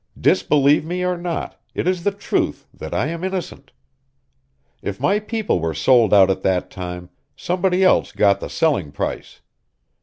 Disbelieve me or not, it is the truth that I am innocent. If my people were sold out at that time, somebody else got the selling price.